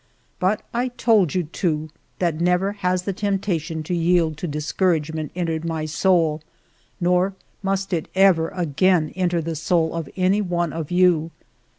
But I told you, too, that never has the temptation to yield to dis couragement entered my soul, nor must it ever again enter the soul of any one of you.